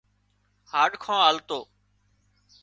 هاڏکان آلتو